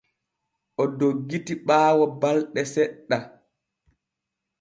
O doggiti ɓaawo balɗe seɗɗa.